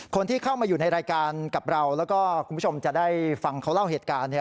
คนที่เข้ามาอยู่ในรายการกับเราแล้วก็คุณผู้ชมจะได้ฟังเขาเล่าเหตุการณ์เนี่ย